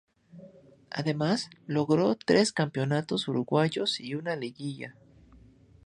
Además logró tres campeonatos uruguayos y una liguilla.